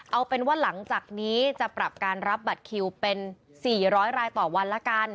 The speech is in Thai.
เอาเป็นว่าหลังจากนี้จะปรับการรับบัตรคิวเป็น๔๐๐รายต่อวันละกัน